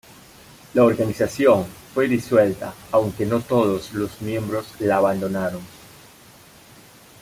La organización fue disuelta, aunque no todos los miembros la abandonaron.